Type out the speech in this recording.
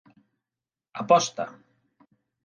Aposta.